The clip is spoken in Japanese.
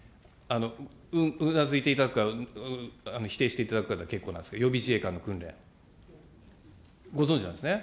うなづいていただくか、否定していただくかで結構なんですが、予備自衛官の訓練、ご存じなんですね。